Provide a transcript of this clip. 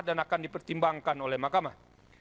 yang diperangkan oleh makamah